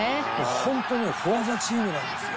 「ホントにねフォアザチームなんですよ」